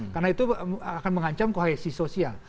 karena itu akan mengancam kohesi sosial